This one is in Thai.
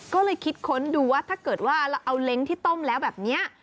ก็เลยคิดค้นดูว่าถ้าเกิดว่าเราเอาเล้งที่ต้มแล้วแบบนี้